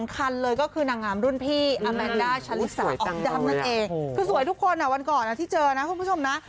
คือสวยทุกคนวันก่อนที่เจอนะคุณผู้ชมนะ